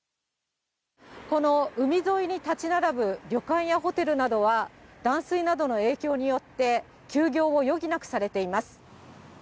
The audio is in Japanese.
この海沿いに建ち並ぶ旅館やホテルなどは、断水などの影響によって、休業を余儀なくされています。